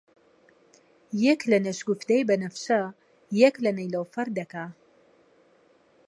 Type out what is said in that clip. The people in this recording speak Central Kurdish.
یەک لە نەشگوفتەی بەنەفشە، یەک لە نەیلۆفەڕ دەکا